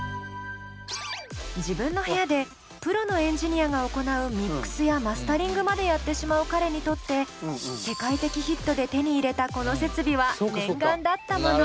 自分の部屋でプロのエンジニアが行うミックスやマスタリングまでやってしまう彼にとって世界的ヒットで手に入れたこの設備は念願だったもの。